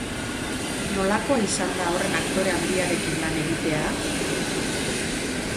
Nolakoa izan da horren aktore handiarekin lan egitea?